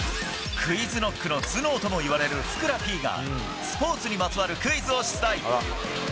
ＱｕｉｚＫｎｏｃｋの頭脳ともいわれるふくらＰが、スポーツにまつわるクイズを出題。